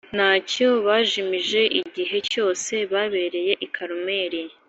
nta cyo bajimije igihe cyose babereye i Karumeli,